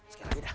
sekali lagi dah